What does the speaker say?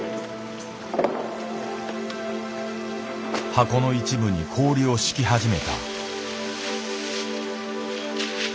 箱の一部に氷を敷き始めた。